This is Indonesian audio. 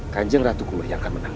kanjeng ratu kuluh yang akan menang